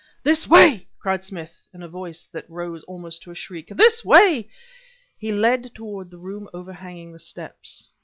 "This way!" cried Smith, in a voice that rose almost to a shriek "this way!" and he led toward the room overhanging the steps.